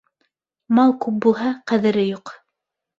Мал күп булһа, ҡәҙере юҡ.